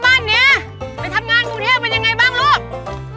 ไปทำงานภูเทศเป็นยังไงบ้างลูก